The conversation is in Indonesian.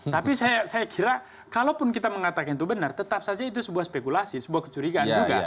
tapi saya kira kalaupun kita mengatakan itu benar tetap saja itu sebuah spekulasi sebuah kecurigaan juga